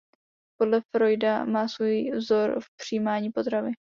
Podle Freuda má svůj vzor v přijímání potravy.